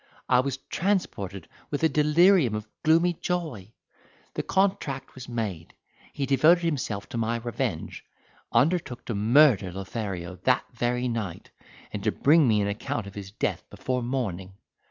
I was transported with a delirium of gloomy joy. The contract was made; he devoted himself to my revenge, undertook to murder Lothario that very night, and to bring me an account of his death before morning.